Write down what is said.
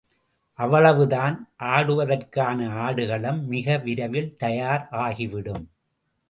அவ்வளவுதான், ஆடுவதற்கான ஆடுகளம் மிக விரைவில் தயார் ஆகிவிடும்.